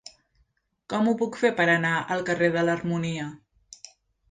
Com ho puc fer per anar al carrer de l'Harmonia?